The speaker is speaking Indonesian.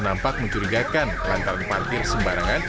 nampak mencurigakan lantaran parkir sembarangan